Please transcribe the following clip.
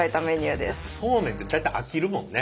そうめんって大体飽きるもんね。